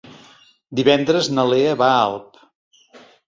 Divendres na Lea va a Alp.